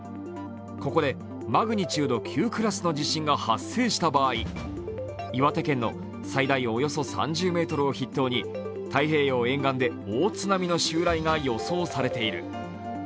ここでマグニチュード９クラスの地震が発生した場合、岩手県の最大およそ３０ｍを筆頭に太平洋沿岸で大津波の襲来が予想されている。